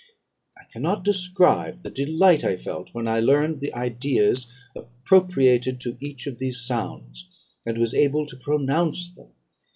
I cannot describe the delight I felt when I learned the ideas appropriated to each of these sounds, and was able to pronounce them.